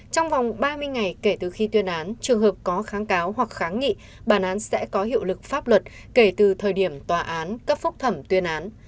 trong vòng ba mươi ngày kể từ khi tuyên án trường hợp có kháng cáo hoặc kháng nghị bản án sẽ có hiệu lực pháp luật kể từ thời điểm tòa án cấp phúc thẩm tuyên án